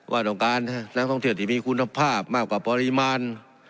ว่าต้องการให้นักท่องเที่ยวที่มีคุณภาพมากกว่าปริมาณ